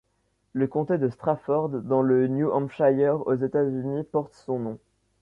Le comté de Strafford, dans le New Hampshire, aux États-Unis, porte son nom.